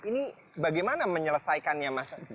ini bagaimana menyelesaikannya mas